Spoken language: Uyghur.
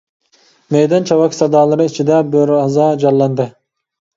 مەيدان چاۋاك سادالىرى ئىچىدە بىر ھازا جانلاندى.